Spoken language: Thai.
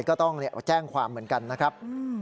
ก็ต้องแจ้งความเหมือนกันนะครับ